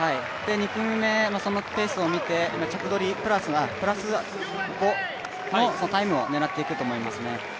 ２組目そのペースを見て着取り、プラス５のタイムを狙っていくと思いますね。